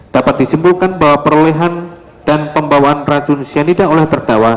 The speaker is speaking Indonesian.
dapat disimpulkan bahwa perlehan dan pembawaan racun yang tidak oleh terdakwa